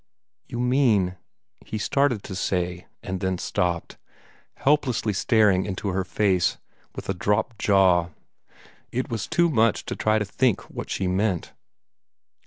"You mean " he started to say, and then stopped, helplessly staring into her face, with a dropped jaw. It was too much to try to think what she meant.